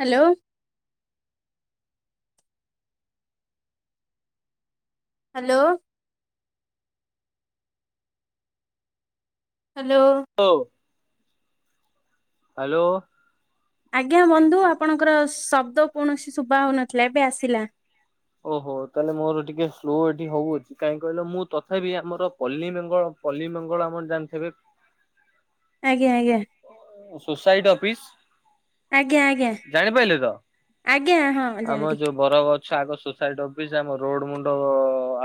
Hello. Hello. Hello. ଓ hello. ଶଦ କୌଣସି ଶୁଭା ହଉନଥିଲା ଏବେ ଆସିଲା। ଓହୋ ତାହେଲେ ମୋର ଟିକେ ସ୍ଲୋ ଏଠି ହଉଅଛି। କାହିଁ କହିଲ ମୁଁ ତଥାପି ଆମର ପଲ୍ଲୀଙ୍ଗଳ ପଲ୍ଲୀ ମଙ୍ଗଳା ଆମର ଜାଣିଥିବେ। [inaudible] ଆଜ୍ଞା ସୋସାଇଟି ଅଫିସ୍। ଆଜ୍ଞା ଆଜ୍ଞା ଜାଣିପାରିଲେ ତ ଆଜ୍ଞା ହଁ ଆମ ଜାଣିଲି ଯୋଉ ବର ଗଛ। ଆଗ ସ ସାଇଡ ଅଫିସ ଆମ ରୋଡ ମୁଣ୍ଡ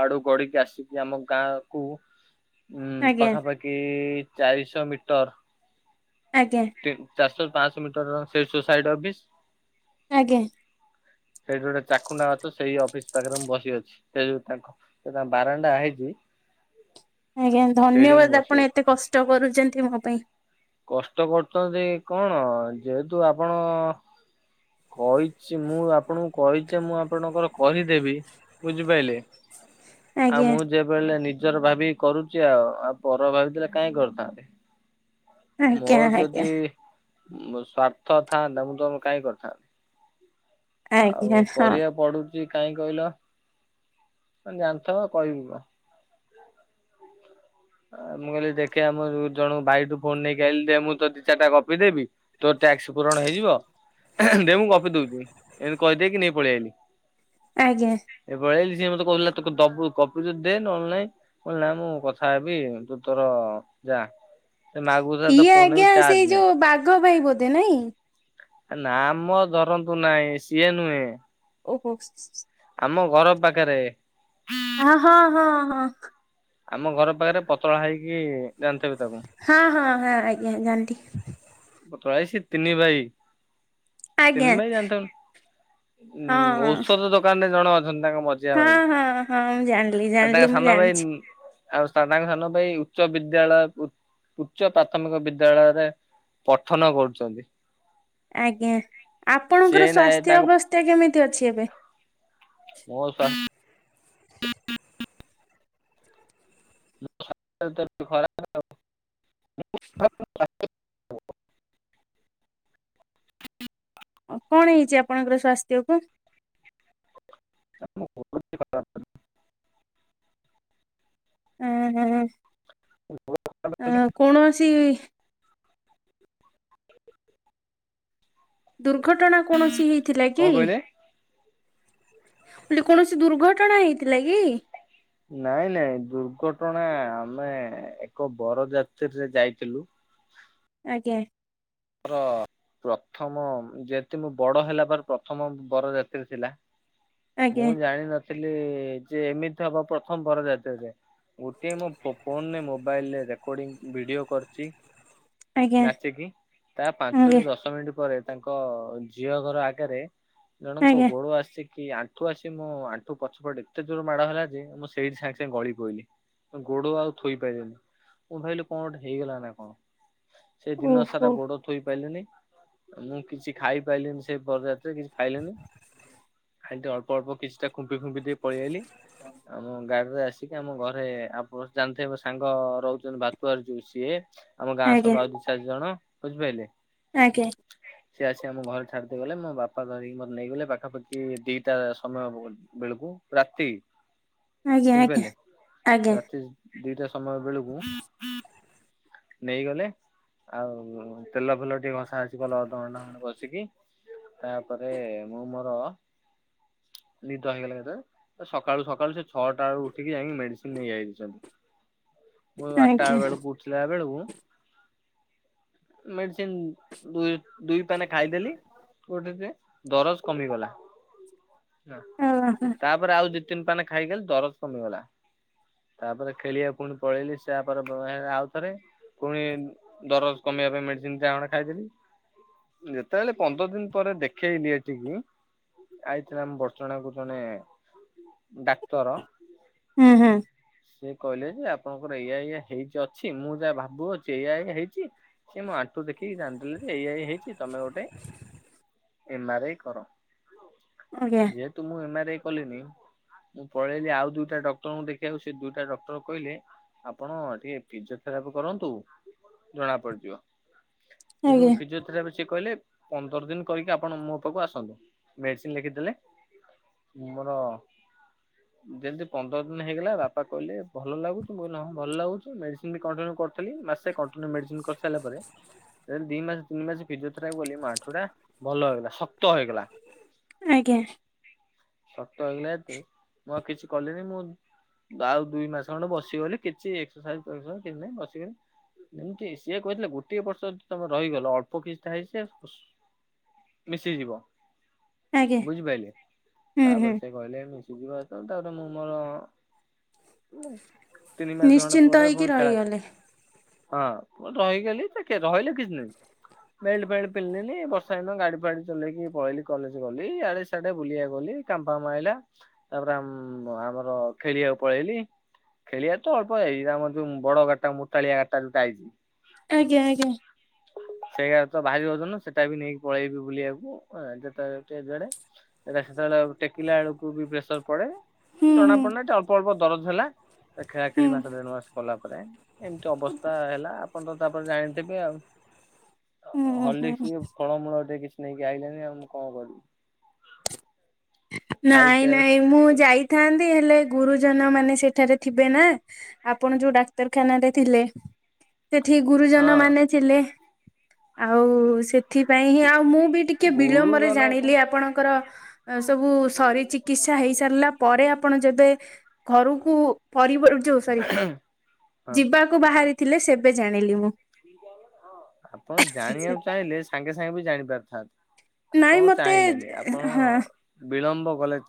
ଆଡୁ ଗଡିକି ଆସିକି ଆମ ଗାଁ କୁ ଉଁ ଆଜ୍ଞା ପାଖାପାଖି ଚାରିଶହ ମିଟର। ଆଜ୍ଞା। ଚାରିଶହ ପାଞ୍ଚଶହ ମିଟର ସେ ସୋସାଇଟ ଅଫିସ୍। ଆଜ୍ଞା। ସେଇଠି ଗୋଟେ ଚାଖୁଣ୍ଡା ଅଛ ସେଇ ଅଫିସ ପାଖରେ ମୁଁ ବସି ଅଛି। ସେ ଯୋଉ ତାଙ୍କ ତାଙ୍କ ବାରଣ୍ଡା ହେଇଛି। ଆଜ୍ଞା ସେଇଠି ମୁଁ ଧନ୍ୟବାଦ ବସି ଅଛି। ଆପଣ ଏତେ କଷ୍ଟ କରୁଛନ୍ତି ମୋ ପାଇଁ। କଷ୍ଟ କରୁଛନ୍ତି କଣ ଯେହେତୁ ଆପଣ କହିଛି ମୁଁ ଆପଣଙ୍କୁ କହିଛି ମୁଁ ଆପଣଙ୍କର କହିଦେବି। ବୁଝିପାଇଲେ ଆଉ ଆଜ୍ଞା ମୁଁ ଯେବେ ନି ନିଜର ଭାବିକି କରୁଛି ଆଉ। ଆଉ ପରର ଭାବିଥିଲେ କାହିଁକି କରିଥାନ୍ତି। ଆଜ୍ଞା ମୋର ଯଦି ଆଜ୍ଞା ସ୍ଵାର୍ଥ ଥାନ୍ତା ମୁଁ ତମ କାଇଁ କରିଥାନ୍ତି। ଆଜ୍ଞା ଆଉ ହଁ କରିବାକୁ ପଡୁଛି। କାଇଁ କହିଲ ଜାଣିଥ କହିବି କଣ। ମୁଁ କହିଲି ଦେଖେ ଆମ ଜଣ ଭାଇଠୁ ଫୋନ ନେଇକି ଆହିଲି ଦେ ମୁଁ ତ ଦି ଚାରିଟା କପି ଦେବି। ତୋ ଟ୍ୟାକ୍ସ ପୂରଣ ହେଇଯିବ। ଦେ ମୁଁ ଗପି ଦଉଛି ଏମତି କହିଦେଇକି ନେଇ ପଳେଇ ଆଲି। ଆଜ୍ଞା। ସିଏ ମତେ କହୁଥିଲେ ତ ଦବୁ କପି ଦେ ନହେଲେ ନାଇଁ କ ନା ମୁଁ କଥା କଥା ହେବି ତୁ ତର ଯା। ସେ ମାଗୁଥିଲା ଇଏ ତା ରେ ବି ଆଜ୍ଞା ସେଇ ନାହିଁ। ଯୋଉ ବାଘ ଭାଇ ବୋଧେ ନାଇଁ। ନାଁ ମ ଧରନ୍ତୁ ନାଇଁ ସିଏ ନୁହେଁ। ଓହୋ ଆମ ଘର ପାଖେରେ। ଆଁ ହଁ ହଁ ହଁ। କିଏ ଜାଣଥେବେ ତମେ। ହଁ ହଁ ହଁ ଆଜ୍ଞା ଜାଣିଲି। [unintelligible] ସିଏ ତିନି ଭାଇ। ଆଜ୍ଞା। ତିନି ଭାଇ ହଁ ଜାଣିଥବ ହଁ ଉଁ ଔଷଧ ଦୋକାନ ଟେ ଜଣ ଅ ଛନ୍ତି ତାଙ୍କ ମଝିଆ ହଁ ଭାଇ ହଁ ହଁ ମୁଁ ଜାଣିଲି ଆଉ ଜାଣିଲି ତାଙ୍କ ମୁଁ ସାନ ଭାଇ ଜାଣିଛି। ଆଉ ସ୍ଥା ତାଙ୍କ ସାନ ଭାଇ ଉଚ୍ଚ ବିଦ୍ୟାଳୟ ଉଚ୍ଚ ପ୍ରାଥମିକ ବିଦ୍ୟାଳୟରେ ପଠନ କରୁଚନ୍ତି। ଆଜ୍ଞା ଆପଣଙ୍କର ଏ ସ୍ୱାସ୍ଥ୍ୟ ତାଙ୍କ ଅବସ୍ଥା କେମିତି ଅଛି ଏବେ। [unintelligible] ମୋ ସ୍ୱାସ୍ଥ୍ୟ ତ ଏବେ ଖରାପ ଆଉ। [unintelligible] [unintelligible] ଆଉ କଣ ହେଇଚି ଆପଣଙ୍କର ସ୍ୱାସ୍ଥ୍ୟକୁ? [unintelligible] ଏଁହେଁ ଏଁ କୌଣସି ଦୁର୍ଘଟଣା କୌଣସି ହେଇଥିଲା କି? କହିଲେ? ମୁଁ କହିଲି କୌଣସି ଦୁର୍ଘଟଣା ହେଇଥିଲା କି? ନାଇଁ ନାଇଁ ଦୁର୍ଘଟଣା ଆମେ ଏକ ବରଯାତ୍ରୀରେ ଯାଇଥିଲୁ। [inaudible] ଆଜ୍ଞା। [unintelligible] ପ୍ରଥମ ଯେନ୍ତି ମୁଁ ବଡ ହେଲା ପରେ ପ୍ରଥମ ବରଯାତ୍ରୀ ଥିଲା। ଆଜ୍ଞା ମୁଁ ଜାଣିନଥିଲି ଯେ ଏମିତି ହବ ପ୍ରଥମ ବରଯାତ୍ରୀରେ। ଗୋଟିଏ ମୋ ଫୋନରେ ମୋବାଇଲରେ ରେକଡ଼ିଂ ଭିଡିଓ କରୁଚି। ଆଜ୍ଞା ନାଚିକି ତା ଆଜ୍ଞା ପାଞ୍ଚରୁ ଦଶ ମିନିଟ୍ ପରେ ତାଙ୍କ ଝିଅ ଘର ଆଗେରେ ଜଣଙ୍କ ଆଜ୍ଞା ଗୋଡ଼ୋ ଆସି କି ଆଣ୍ଠୁ ଆସି ମୋ ଆଣ୍ଠୁ ପଛପଟ ଏତେ ଜୋରୋ ମାଡ ହେଲା ଯେ ମୁଁ ସେଇଠି ସାଙ୍ଗେ ସାଙ୍ଗେ ଗଳି ପଇଲି। ଗୋଡୋ ଆଉ ଥୋଇପାଇଲିନି ମୁଁ ଭାବିଲି କଁ ଗୋଟେ ହେଇଗଲା ନା କଣ? ସେ ଦିନ ଓହୋ ସାରା ଗୋଡୋ ଥୋଇପାଇଲିନି। ମୁଁ କିଛି ଖାଇପାଇଲିିନି ସେ ବରଯାତ୍ରୀରେ କିଛି ଖାଇଲିନି? ହେଟି ଅଳ୍ପ ଅଳ୍ପ କିଛିଟା ଖୁମ୍ପି ଖୁମ୍ପି ଦେଇପଳେଇ ଆଇଲି ଆମ ଗାଁର ରେ ଆସିକି ଆମ ଘରେ ଆପଣ ଜାଣିଥିବେ ସାଙ୍ଗ ରହୁଚନ୍ତି [unintelligible] ଯୋଉ ସିଏ ଆମ ଗାଁ ଆଜ୍ଞା ସଙ୍ଗ ଆଉ ଦୁଇ ଚାରି ଜଣ ବୁଝିପାଇଲେ। ଆଜ୍ଞା ସିଏ ଆସି ଆମ ଘରେ ଛାଡି ଦେଇ ଗଲେ ମୋ ବାପା ଧରିକି ମତେ ନେଇଗଲେ ପାଖାପାଖି ଦିଟା ସମୟ ହ ବେଳୁକୁ ରାତି। ଆଜ୍ଞା ଆଜ୍ଞା ବୁଝିପାରିଲେ ଆଜ୍ଞା। ରାତି ଦିଟା ସମୟ ବେଳୁକୁ ନେଇଗଲେ। ଆଉ ତେଲ ଫେଲ ଟିକେ ଘସା ଘସି କଲେ ଅଧ ଘଣ୍ଟେ ଖଣ୍ଟେ ବସିକି ତାପରେ ମୁଁ ମୋରୋ [inaudible] ନିଦ ହେଇଗଲା ଏକାଥରେ ତ ସକାଳୁ ସକାଳୁ ସେ ଛଅଟା ରୁ ଉଠିକି ଯାଇକି ମେଡିସିନ ନେଇଆଇଚନ୍ତି। ମୁଁ ଆଟା ଆଜ୍ଞା ବେଳୁକୁ ଉଠି ବେଳୁକୁ ମେଡିସିନ୍ ଦୁ ଦୁଇ ପାନେ ଖାଇଦେଲି ଗୋଡ ଟା ଟିକେ ଦରଜ କମିଗଲା। ହୁଁ ଆଜ୍ଞା ତାପରେ ଆଉ ଦି ତିନି ପାନେ ଖାଇଦେଲି ଦରଜ କମିଗଲା। ତାପରେ ଖେଳିବା ପୁଣି ପଳେଇଲି ସ୍ୟା ପର [unintelligible] ଆଉ। ଥରେ ପୁଣି ଦରଜ କମେଇବା ପାଇଁ ମେଡିସିନଟେ ଅଣେ ଖାଇଥିଲି ଯେତେବେଳେ ପନ୍ଦର ଦିନ ପରେ ଦେଖେଇଲିି ଏଠିକି ଆଇଥିଲା ଆମ ବଡ଼ଚଣାକୁ ଜଣେ ଡାକ୍ତର, ହୁଁ ହୁଁ ସିଏ କହିଲେ ଯେ ଆପଣଙ୍କର ଏଇଆ ଏଇଆ ହେଇଛି ଯ ଅଛି, ମୁଁ ଯାହା ଭାବୁଅଛି ଏଇଆ ଏଇଆ ହେଇଛି, ସିଏ ମୋ ଆଣ୍ଠୁ ଦେଖିକି ଜାଣିଦେଲେ ଯେ ଏଇଆ ଏଇଆ ହେଇଛି, ତମେ ଗୋଟେ ଏମ ଆର ଆଇ କର। ଆଜ୍ଞା ଯେହେତୁ ମୁଁ ଏମ ଆର ଆଇ କଲିନି ମୁଁ ପଳେଇଲି ଆଉ ଦୁଇଟା ଡକ୍ଟରଙ୍କୁ ଦେଖେଇଆକୁ ସେ ଦୁଇଟା ଡକ୍ଟର କହିଲେ, ଆପଣ ଟିକେ ଫିଜିଓଥେରାପି କରନ୍ତୁ ଜଣା ପଡିଯିବ। ଏ ଯୋଉ ଆଜ୍ଞା ଫିଜିଓଥେରାପି ସେ କହିଲେ ପନ୍ଦର ଦିନ କରିକି ଆପଣ ମୋ ପାଖକୁ ଆସନ୍ତୁ, ମେଡିସିନ ଲେଖିଦେଲେ ମୁଁ ମୋର ଯେମିତି ପନ୍ଦର ଦିନ ହେଇଗଲା ବାପା କହିଲେ ଭଲ ଲାଗୁଛି, ମୁଁ କହିଲି ହଁ ଭଲ ଲାଗୁଛି ମେଡିସିନି ମେଡିସିନି କଣ୍ଟିନିଉ କରୁଥିଲି, ମାସେ କଣ୍ଟିନିଉ ମେଡିସିନି କରିସାରିଲା ପରେ ଦେନ୍ ଦି ମାସ ତିନି ମାସ ଫିଜିଓଥେରାପି କଲି ମୋ ଆଣ୍ଠୁଟା ଭଲ ହେଇଗଲା, ଶକ୍ତ ହେଇଗଲା। ଆଜ୍ଞା। ଶକ୍ତ ହେଇଗଲା ହେତୁ ମୁଁ ଆଉ କିଛି କଲିନି, ମୁଁ ଆଉ ଦୁଇ ମାସ ଖଣ୍ଡେ ବସି ଗଲି କିଛି ଏକ୍ସର୍ସାଇଜ୍ ଫେକ୍ସରସାଇଜ କିଛି ନାଇଁ ବସିଗଲି ଏମତି ସିଏ କହିଥିଲେ ଗୋଟିଏ ବର୍ଷ ଯଦି ତମେ ରହିଗଲ, ଅଳ୍ପ କିଛିଟା ହେଇଚି ସିଏ ଆଉ ସୁ ମିଶିଯିବ। ଆଜ୍ଞା ଆଜ୍ଞା ବୁଝିପାଇଲେ? ହୁଁ ହୁଁ ତାପରେ ସେ କହିଲେ ମିଶିଯିବ ଯେତେବେଳେ ତାପରେ ମୁଁ ମୋର ତିନି ମାସ ଖଣ୍ଡେ ଶ୍ଚିନ୍ତ ପରେ ହେଇକି ପୁଣି ଖେଳା ରହିଗଲେ। ହଁ, ମୁଁ ରହିଗଲି ସେ କେ ରହିଲେ କିଛି ନାହିଁ। ବେଲ୍ଟ ଫେଲ୍ଟ ପିନ୍ଧିଲିନି, ବର୍ଷା ଦିନ ଗାଡି ଫାଡି ଚଲେଇକି ପଳେଇଲି କଲେଜ ଗଲି, ଆଡ଼େ ସାଡ଼େ ବୁଲିବାକୁ ଗଲି ଗଲି କାମ ଫାମ ଆଇଲା, ତାପରେ ଆମ୍ ଆମର ଖେଳିଆକୁ ପଳେଇଲି ଖେଳିଆକୁ ତ ଅଳ୍ପ ଯାଇଚି, ଆମର ଯୋଉ ବଡ଼ ଗାଡ଼ିଟା ମୋଟାଳିଆ ଗାଡ଼ିଟା ଯୋଉାଟା ଆଇଚି ଆଜ୍ଞା ଆଜ୍ଞା। ସେତ ଭାରି ଓଜନ ସେଟା ବି ନେଇକି ପଳେଇବି ବୁଲିବାକୁ, ଆଁ ଯେତେବେଳେ ଟିକେ ଯୁଆଡ଼େ। ସେଟା ସେତେବେଳେ ଟିକ ଟେକିଲା ବେଳକୁ ବି ପ୍ରେସର ପଡ଼େ ହୁଁ ଜଣା ହୁଁ ପଡ଼ୁନାହିଁ ଟିକେ ଅଳ୍ପ ଅଳ୍ପ ଦରଜ ହେଲା, ଖେଳାଖେଳି ମାସେ ହୁଁ ଦେଢ଼ ମାସ କଲା ପରେ ଏମତି ଅବସ୍ଥା ହେଲା, ଆପଣ ତ ତାପରେ ଜାଣିଥିବେ ଆଉ। ହୁଁ ହୁଁ ହର୍ଲିକ୍ସ, ଫଳମୂଳ ଟିକେ କିଛି ନେଇକି ଆଇଲେନି ଆଉ ମୁଁ କଣ କରିବି। ନାଇଁ ଖାଇକି ଆସ ନାଇଁ, ମୁଁ ଯାଇଥାନ୍ତି ହେଲେ ଗୁରୁଜନମାନେ ସେଠାରେ ଥିବେ ନା, ଆପଣ ଯୋଉ ଡାକ୍ତରଖାନାରେ ଥିଲେ ସେଠି ହଁ ଗୁରୁଜନମାନେ ଥିଲେ, ଆଉ ସେ ସେଥିପାଇଁ ହିଁ, ଆଉ ମୁଁ ବି ଟିକେ ବିଳମ୍ବରେ ଗୁରୁଜନ ଜାଣିଲି ଆପଣଙ୍କର ସବୁ ସରି ଚିକିତ୍ସା ହେଇ ସାରିଲା ପରେ ଆପଣ ଯେବେ ଘରକୁ ପରିବ ଯୋଉ ସରି ହଁ ଯିବାକୁ ବାହାରିଥିଲେ ସେବେ ଜାଣିଲି ମୁଁ। ଆପଣ ଜାଣିଆକୁ ଚାହିଁଲେ ସାଙ୍ଗେ ସାଙ୍ଗେ ବି ଜାଣି ପାରିଥାନ୍ତେ। ନାଇଁ ଆପଣ ମତେ ଚାହିଁଲେନି ଏ ଆପଣ ହଁ। ବିଳମ୍ବ କଲେ।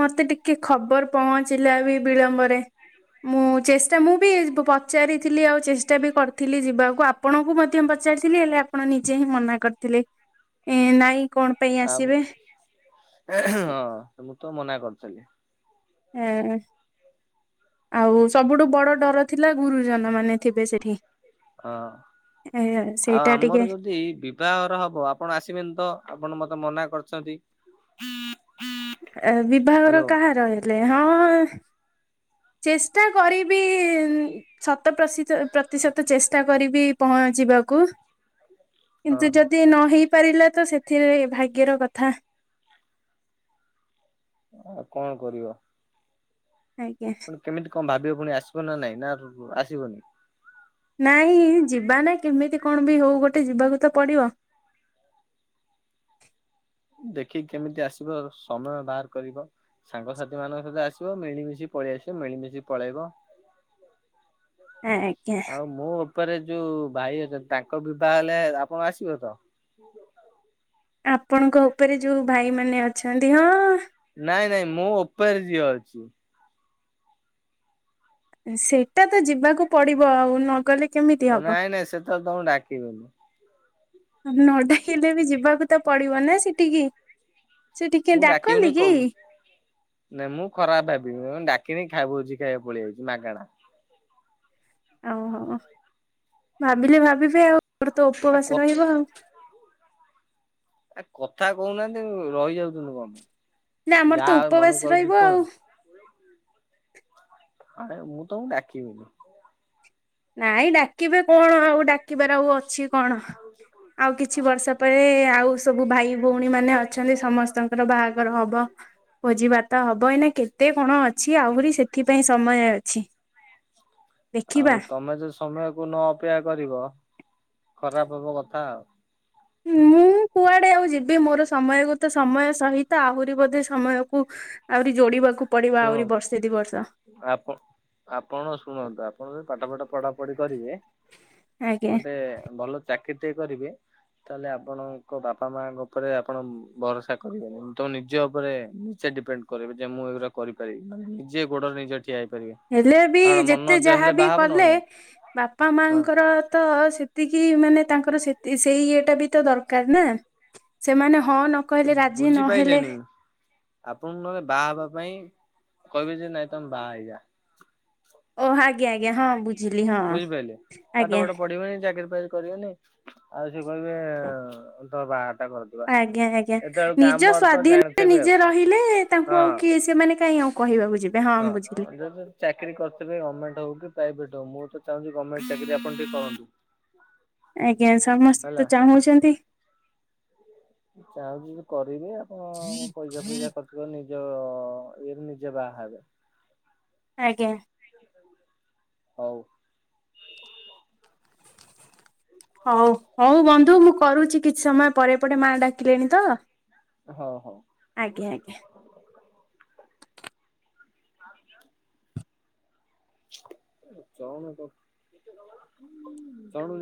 ମତେ ଟିକେ ଖବର ପହଞ୍ଚିଲା ବି ବିଳମ୍ବରେ। ମୁଁ ଚେଷ୍ଟା ମୁଁ ବି ପ-ପଚାରିଥିଲି ଆଉ ଚେଷ୍ଟା ବି କରିଥିଲି ଯିବାକୁ ଆପଣଙ୍କୁ ମଧ୍ୟ ପଚା ପଚାରିଥିଲି ହେଲେ ଆପଣ ନିଜେ ହିଁ ମନା କରିଥିଲେ। ଏଁ ନାଇଁ କଣ ପାଇଁ ଆଉ ଆସିବେ ଆଁ ହଁ ମୁଁ ତ ମନା କରିଥିଲି ହଁ। ହୁଁ ଆଉ ସବୁଠୁ ବଡ଼ ଡର ଥିଲା ଗୁରୁଜନମାନେ ଥିବେ ସେଠି। ହଁ। ହେଁ ଆଉ ଆମର ଯଦି ବିଭାଘର ହବ ଆପଣ ଆସିବେନି ତ, ଆପଣ ମତେ ମନା କରୁଚନ୍ତି। ବିବାଘର କାହାର ହେଲେ? ହଁ ଚେଷ୍ଟା କରିବି ଯିବାକୁ ହଁ କିନ୍ତୁ ଯଦି ନ ହେଇ ପାରିଲା ତ ସେଥି [inaudible] ଆଜ୍ଞା। ପୁଣି କେମିତି କଣ ନାଇଁ ଯିବା ନା କେମିତି କଣ ବି ହଉ ଗୋଟେ ଯିବାକୁ ତ ପଡ଼ିବ। [inaudible] [inaudible] ସାଙ୍ଗସାଥି ମାନଙ୍କ ସହିତ ଆସିବ ମିଳିମିଶି ପଳେଇ ଆସିବ ମିଳିମିଶି ପଳେଇବ ଆଜ୍ଞା। ଆଉ ମୋ ଉପରେ ଯୋଉ ଭାଇ ଅଛନ୍ତି ତାଙ୍କ ବିବାହ ହେଲେ ଆପଣ ଆସିବେ ତ? ଆପଣଙ୍କ ଉପରେ ଯୋଉ ଭାଇ ମାନେ ଅଛନ୍ତି ହଁ ନାଇଁ ନାଇଁ ମୋ ଉପରେ ଝିଅ ଅଛି। ସେଇଟା ତ ଯିବାକୁ ପଡ଼ିବ ଆଉ ନଗଲେ କେମିତି ହବ। ନାଇଁ ନାଇଁ ସେ ତାହାଲେ ତମ ଡାକିବନି ନ ଡାକିଲେ ବି ଯିବାକୁ ତ ପଡିବ ନା ସେଠିକି ସେ ଟିକେ ମୁଁ ଡା ଡାକିବିନି କନ୍ତି କ କି ନା ମୁଁ ଖରାପ ଭାବିବି ଡା - - କିଣିିକ [inaudible] ଭୋଜି ଖାଇବାକୁ ପଳେଇ ଆଇଛୁ ମାଗଣା ଓହୋ ଭାବିଲେ ଭାବିବେ [inaudible] ତ ଆ କ ଉପବାସ ରହିବ ଆଉ ଆ କଥା କହୁନାହାନ୍ତି ରହିଯାଉଛନ୍ତି କଣ ନା ପାଇଁ ଆମର ତ ଯାହା ଆଉ ଉପବାସ ମନକୁ ରହିବ ଆଉଚ଼ି ଆଉ। କୁହନ୍ତୁ ଆରେ ମୁଁ ତମକୁ ଡାକିବିନି ନାଇଁ ଡାକିବେ କଣ ଆଉ ଡାକିବାର ଆଉ ଅଛି କଣ ଆଉ କିଛି ବର୍ଷ ପରେ ଆଉ ସବୁ ଭାଇ ଭଉଣୀ ମାନେ ଅଛନ୍ତି ସମସ୍ତଙ୍କର ବାହାଘର ହବ ଭୋଜି ଭାତ ହବ ଏଇନା କେତେ କଣ ଅଛି ଆହୁରି ସେଥିପାଇଁ ସମୟ ଅଛି ଦେଖିବା ଆଉ ତମେ ଯୋଉ ସମୟକୁ ନ ଅପେକ୍ଷା କରିବ ଖରାପ ହବ କଥା ଆଉ ମୁଁ କୁଆଡେ ଆଉ ଯିବି ମୋର ସମୟକୁ ତ ସମୟ ସହିତ ଆହୁରି ବୋଧେ ସମୟକୁ ଆହୁରି ଯୋଡିବାକୁ ପଡିବ ଶୁଣ ଆହୁରି ବର୍ଷେ ଦି ବର୍ଷ ଆପ ଆପଣ ଶୁଣନ୍ତୁ ଆପଣ ଯଦି ପାଠ ଫଠ ପଢାପଢି କରିବେ ଆଜ୍ଞା ଗୋଟେ ଭଲ ଚାକିରି ଟେ କରିବେ ତାହେଲେ ଆପଣଙ୍କ ବାପା ମାଙ୍କ ଉପରେ ଆପଣ ଭରସା କରିବେନି [inaudible] ନିଜ ଉପରେ ନିଜେ ଡିପେଣ୍ଡ କରିବେ ଯେ ମୁଁ ଏଗୁଡା କରିପାରିବି ନିଜେ ଗୋଡର ନିଜ ହେଲେ ବି ଯେତେ ଯାହା ହେଲେ ବି ବାହା ହବ କଲେ ନହେଲେ ନାଇଁ ବାପା ହଁ ମାଙ୍କର ତ ସେତିକି ମାନେ ତାଙ୍କର ସେ ସେଇ ଇଏଟା ବି ତ ଦରକାର ନା ସେମାନେ ହଁ ନ କହିଲେ ରାଜି ନହେଲେ ବୁଝିପାରିଲେନି ଆପଣଙ୍କୁ ବାହା ହେବା ପାଇଁ କହିବେ ଯେ ନାଇଁ ତମେ ବାହା ହେଇଯା ଓ ଆଜ୍ଞା ଆଜ୍ଞା ହଁ ବୁଝିଲି ହଁ ବୁଝିପାଇଲେ। ପାଠ ଆଜ୍ଞା ପାଠ ପଢିବେନି [inaudible] କରିବେନି ଆଉ ସେ କହିବେ ତ ବା - - ଆଜ୍ଞା ଆଜ୍ଞା ନିଜ ତ ସ୍ଵାଧୀନରେ ଜାଣିଥିବେ ଆଉ ନିଜେ ରହିଲେ ତାଙ୍କୁ ହଁ। ଆଉ କିଏ ସେମାନେ କାଇହିଁ ଆଉ କ - - କହିବାକୁ ଯିବ - - ହଁ ଯ ଯି ଚାକିରି କରିଥିବେ ଗର୍ଣମେଣ୍ଟ ପ୍ରଭେଟ ହଉ ମୁଁ ତ ଚାହୁଁଛି ଗଣମେଣ୍ଟ ଚାକିରି ଆପଣ ଟିକେ କରନ୍ତୁ ଆଜ୍ଞା ସମସ୍ତେ ହେଲା ତ ଚାହୁଁଛନ୍ତି ଚାହୁଁଛି ଯେ କରିବେ ଆପଣ ପଇସା ଫଇସା [unintelligible] ତ ଏ ନିଜେ ବାହା ହେବେ ଆଜ୍ଞା ହଉ ହଉ ହଉ ବନ୍ଧୁ ମୁଁ କରୁଛି କିଛି ସମୟ ପରେ ଏପଟେ ମାଆ ଡାକିଲେଣି ତ। ହଉ ହଉ। ଆଜ୍ଞା ଆଜ୍ଞା। [inaudible] [unintelligible]